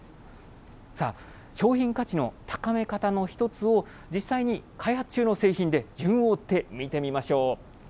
さあ、商品価値の高め方の一つを、実際に開発中の製品で順を追ってみてみましょう。